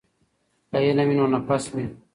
که علم وي نو نفس وي.